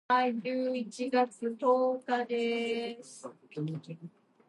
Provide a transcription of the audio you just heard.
The event must be announced publicly or else dire results will follow.